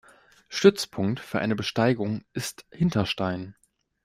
Stützpunkt für eine Besteigung ist Hinterstein.